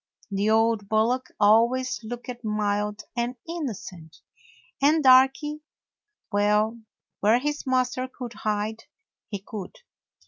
The old bullock always looked mild and innocent, and Darky — well, where his master could hide, he could.